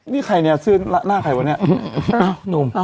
นี่ใครเนี่ยนี่หน้าใครอันนี้